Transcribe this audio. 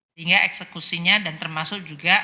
sehingga eksekusinya dan termasuk juga